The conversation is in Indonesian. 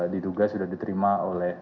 diduga sudah diterima oleh